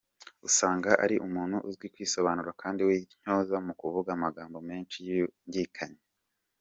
Usanga ari umuntu uzi kwisobanura kandi w’intyoza mu kuvuga amagambo menshi yungikanya.